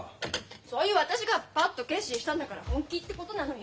そういう私がパッと決心したんだから本気ってことなのよ。